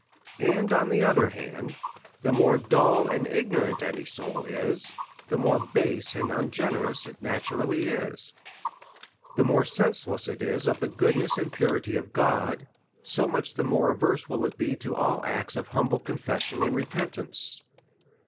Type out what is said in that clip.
And, on the other hand, the more dull and ignorant any soul is/the more base and ungenerous it naturally is, the more senseless it is of tlie goodness and purity of God ; so much the more averse will it be to all acts of humble confession and repentance.